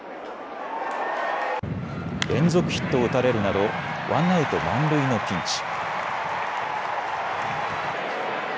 連続ヒットを打たれるなどワンアウト満塁のピンチ。